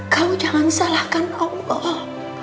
kau jangan salahkan allah